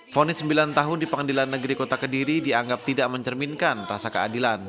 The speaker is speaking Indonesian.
fonis sembilan tahun di pengadilan negeri kota kediri dianggap tidak mencerminkan rasa keadilan